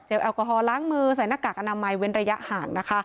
แอลกอฮอลล้างมือใส่หน้ากากอนามัยเว้นระยะห่างนะคะ